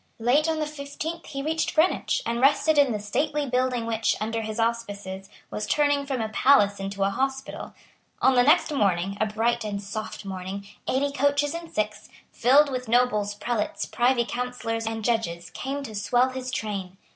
Late on the fifteenth he reached Greenwich, and rested in the stately building which, under his auspices, was turning from a palace into a hospital. On the next morning, a bright and soft morning, eighty coaches and six, filled with nobles, prelates, privy councillors and judges, came to swell his train.